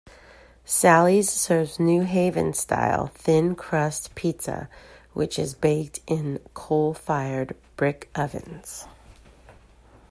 Sally's serves New Haven-style thin-crust apizza, which is baked in coal-fired brick ovens.